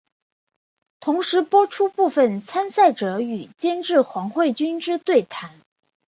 同时播出部分参赛者与监制黄慧君之对谈。